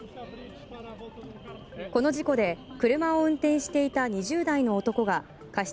この事故で車を運転していた２０代の男が過失